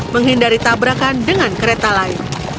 menghindari tabrakan dengan kereta lain